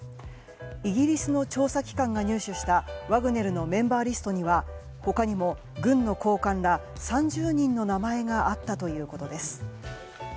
イギリスの調査機関が入手したワグネルのメンバーリストには他にも軍の高官ら３０人の名前があったということです。